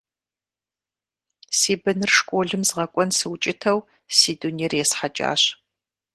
Си быныр школым згъэкӀуэн сыукӀытэу си дунейр есхьэкӀащ.